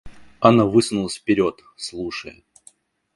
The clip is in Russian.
Анна высунулась вперед, слушая.